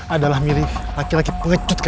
adalah milih laki laki pengecutnya